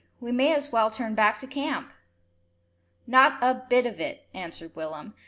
We may as well turn back to camp." "Not a bit of it," answered Willem.